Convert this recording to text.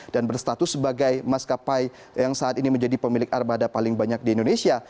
dan berstatus sebagai mas kapai yang saat ini menjadi pemilik armada paling banyak di indonesia